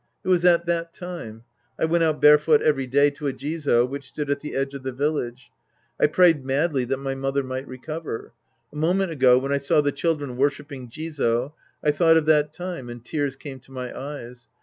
It was at that time. I went out barefoot every day to a Jizo which stood at the edge of the village. I prayed madly that my mother might recover. A moment ago when I saw the children worshiping Jizo, I thought of that time and tears came to my eyes.